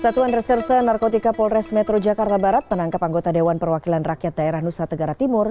satuan reserse narkotika polres metro jakarta barat menangkap anggota dewan perwakilan rakyat daerah nusa tenggara timur